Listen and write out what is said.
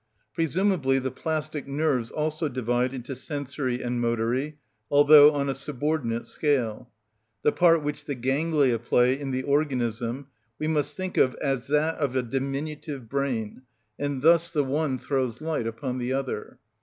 Presumably the plastic nerves also divide into sensory and motory, although on a subordinate scale. The part which the ganglia play in the organism we must think of as that of a diminutive brain, and thus the one throws light upon the other.